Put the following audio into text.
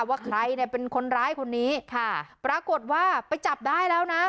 ว่าใครเนี่ยเป็นคนร้ายคนนี้ค่ะปรากฏว่าไปจับได้แล้วนะ